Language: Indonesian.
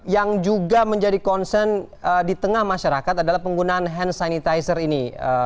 yang juga menjadi concern di tengah masyarakat adalah penggunaan hand sanitizer ini